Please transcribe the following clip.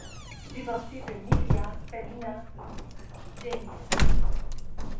Divorcé de Milia Fallyna Jenius.